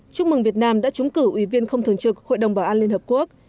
chúc mừng việt nam đã trúng cử ủy viên không thường trực hội đồng bảo an liên hợp quốc